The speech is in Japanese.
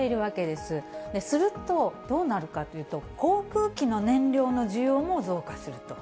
すると、どうなるかというと、航空機の燃料の需要も増加すると。